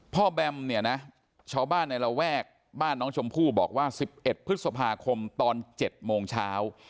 แบมเนี่ยนะชาวบ้านในระแวกบ้านน้องชมพู่บอกว่า๑๑พฤษภาคมตอน๗โมงเช้า